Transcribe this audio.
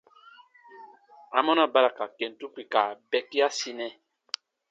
Amɔna ba ra ka kentu kpika bɛkiasinɛ?